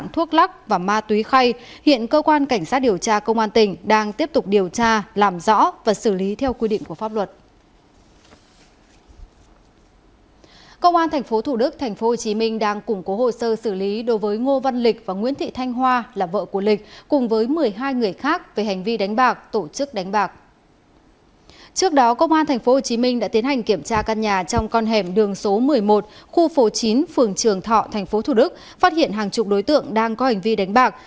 trước đó công an tp hcm đã tiến hành kiểm tra căn nhà trong con hẻm đường số một mươi một khu phố chín phường trường thọ tp hcm phát hiện hàng chục đối tượng đang có hành vi đánh bạc